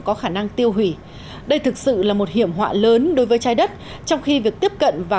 có khả năng tiêu hủy đây thực sự là một hiểm họa lớn đối với trái đất trong khi việc tiếp cận và